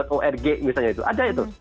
empat org misalnya itu ada itu